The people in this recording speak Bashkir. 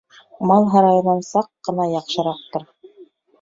Мал һарайынан саҡ ҡына яҡшыраҡтыр.